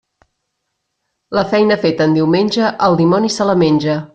La feina feta en diumenge, el dimoni se la menja.